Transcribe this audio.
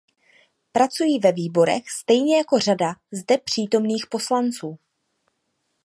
Pracuji ve výborech stejně jako řada zde přítomných poslanců.